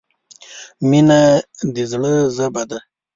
• مینه د زړۀ ژبه ده.